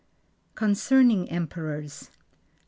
Concerning Emperors I.